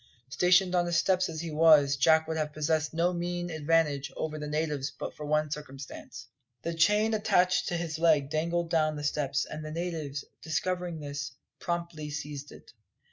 Stationed on the steps as he was, Jack would have possessed no mean advantage over the natives but for one circumstance. The chain attached to his leg dangled down the steps, and the natives, discovering this, promptly seized it.